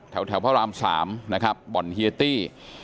แถวพระราม๓นะครับบ่อนเฮียตี้